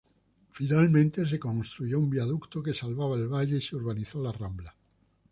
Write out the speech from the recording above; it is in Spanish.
Finalmente se construyó un viaducto que salvaba el valle y se urbanizó la rambla.